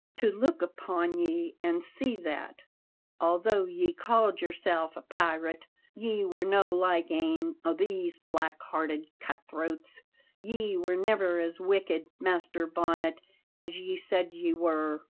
To look upon ye an' see that, although ye called yoursel' a pirate, ye were no like ane o' these black hearted cut throats. Ye were never as wicked, Master Bonnet, as ye said ye were!"